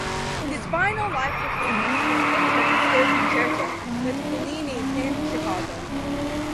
His final live performance was Beethoven's Third Concerto with Giulini in Chicago.